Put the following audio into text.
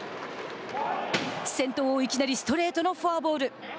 先頭をいきなりストレートのフォアボール。